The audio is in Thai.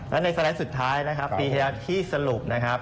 แล้วในแสดงสุดท้ายนะครับปีที่สรุปนะครับ